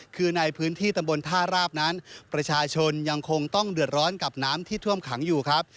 คือในพื้นที่ตำบลท่าราบนั้นประชาชนยังคงต้องเดือดร้อนกับน้ำที่ท่วมขังอยู่ครับ